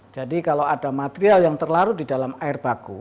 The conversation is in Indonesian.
jadi kalau ada material yang terlarut di dalam air baku